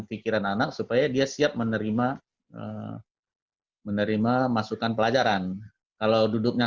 pikiran anak supaya dia siap menerima menerima masukan pelajaran kalau duduknya